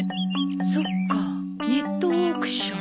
そっかネットオークション。